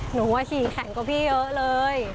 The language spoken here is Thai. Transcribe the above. หนูว่าฉี่แข็งกว่าพี่เยอะเลย